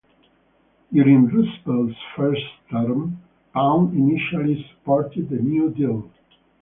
During Roosevelt's first term, Pound initially supported the New Deal.